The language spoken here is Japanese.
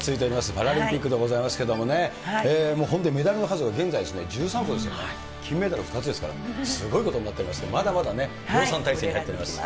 パラリンピックでございますけれども、もう本当にメダルの数が現在、１３個ですからね、金メダル２つですから、すごいことになってますけど、まだまだね、量産体制に入っておりますので。